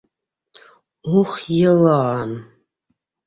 Ух, йыла-ан...